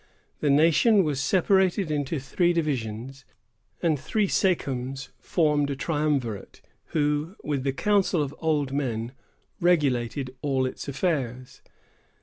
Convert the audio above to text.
The nation was separated into three divisions, and three sachems formed a triumvirate, who, with the council of old men, regulated all its affairs.